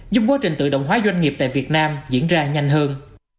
giúp quá trình tự động hóa doanh nghiệp tại việt nam diễn ra nhanh hơn